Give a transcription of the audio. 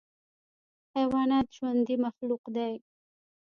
حیوانات ژوندی مخلوق دی.